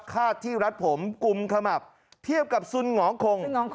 คาดที่รัดผมกุมขมับเทียบกับสุนหงอคง